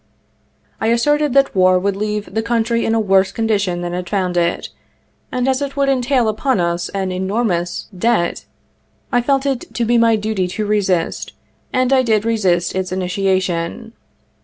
I asserted that war would leave the country in a worse condition than it found it ; and, as it would entail upon us an enor 78 mous debt, I felt it to be my duty to resist, and I did resist its initia tion.